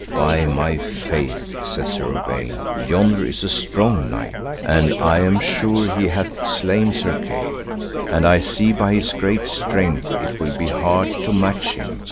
By my faith, said Sir Uwaine, yonder is a strong knight, and I am sure he hath slain Sir Kay; and I see by his great strength it will be hard to match him.